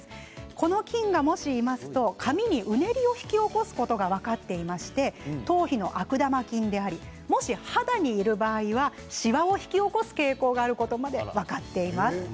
この菌がもし、いますと髪にうねりを引き起こすことが分かっていまして頭皮の悪玉菌でありもし、肌にいる場合しわを引き起こす傾向があることまで分かっています。